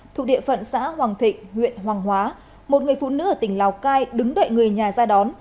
thuộc địa phận xã hoàng thịnh huyện hoàng hóa một người phụ nữ ở tỉnh lào cai đứng đợi người nhà ra đón